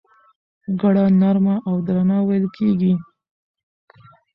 ګړه نرمه او درنه وېل کېږي.